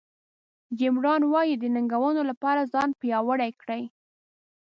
جیم ران وایي د ننګونو لپاره ځان پیاوړی کړئ.